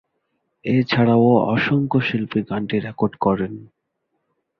এছাড়াও অসংখ্য শিল্পী গানটি রেকর্ড করেন।